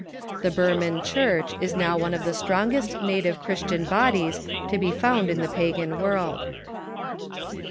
The Burman Church is now one of the strongest native Christian bodies to be found in the pagan world.